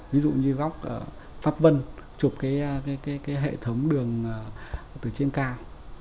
ví dụ như góc pháp vân chụp hệ thống đường từ trên cao